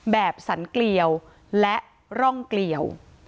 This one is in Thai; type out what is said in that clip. สันเกลียวและร่องเกลียว